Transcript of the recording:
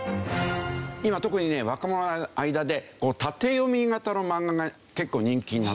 今特にね若者の間で縦読み型のマンガが結構人気になってて。